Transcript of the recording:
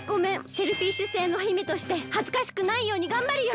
シェルフィッシュ星の姫としてはずかしくないようにがんばるよ！